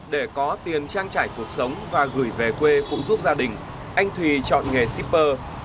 để có tiền trang trải cuộc sống và gửi về quê phụ giúp gia đình anh thùy chọn nghề shipper